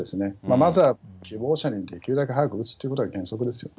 まずは希望者にできるだけ早く打つということが原則ですよね。